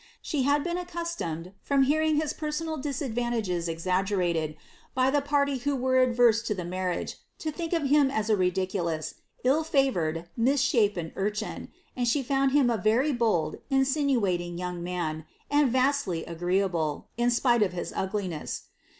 She had been accustomed, from hearing his personal disadvantages exaggerated, by the party who were adverse to the marriage, to think of him as a ridi culous, ill favoured, mis shapen urchin, and she found him a very bold, insinuating young man, and vastly agreeable, in spite of his ugliness.